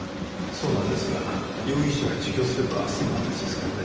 そうなんですが容疑者が自供すれば済む話ですからね。